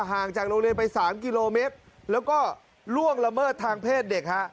ห่างจากโรงเรียนไป๓กิโลเมตรแล้วก็ล่วงละเมิดทางเพศเด็กฮะ